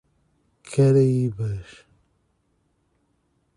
Caraíbas